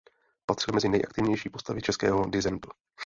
Patřila mezi nejaktivnější postavy českého disentu.